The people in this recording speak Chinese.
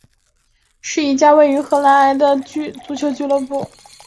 是一家位于荷兰埃因霍温的足球俱乐部。